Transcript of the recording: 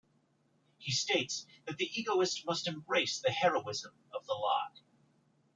He states that the egoist must embrace the "heroism of the lie".